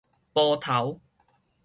埔頭